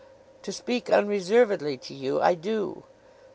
To speak unreservedly to you, I do.